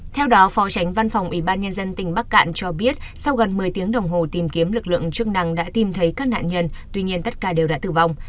theo đó phó tránh văn phòng ủy ban nhân dân tỉnh bắc cạn cho biết sau gần một mươi tiếng đồng hồ tìm kiếm lực lượng chức năng đã tìm thấy các nạn nhân tuy nhiên tất cả đều đã tử vong